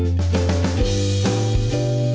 บอกตามตรงป้าก็ทำไม่เป็นหรอกครับ